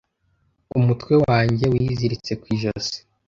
Umutwe wanjye wiziritse ku ijosi,